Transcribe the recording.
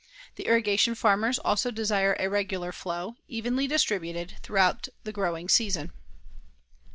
The irrigation farmers also desire a regular flow, evenly distributed, throughout the growing season.